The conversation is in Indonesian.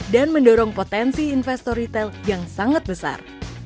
dan mendorong potensi investor retail yang sangat besar